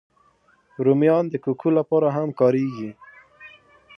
رومیان د کوکو لپاره هم کارېږي